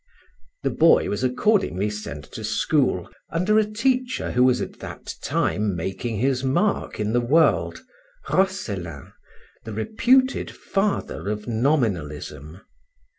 The boy was accordingly sent to school, under a teacher who at that time was making his mark in the world, Roscellin, the reputed father of Nominalism.